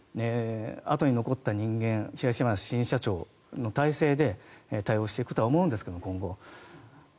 後に残った人間東山新社長の体制で対応していくとは思うんですけど今後。